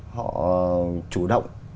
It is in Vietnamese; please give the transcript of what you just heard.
họ chủ động